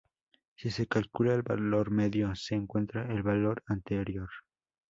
Si se calcula el valor medio, se encuentra el valor anterior.